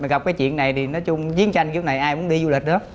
mà gặp cái chuyện này thì nói chung diễn tranh kiểu này ai cũng đi du lịch đó